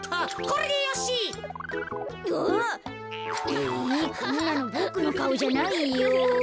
えこんなのボクのかおじゃないよ。